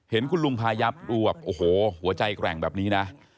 เห็นคุณลุงพายับดูแบบโอ้โหหัวใจแกร่งแบบนี้นะ